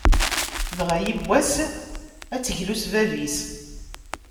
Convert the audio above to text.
Dɣa, yiwen n wass ad teglu s bab-is.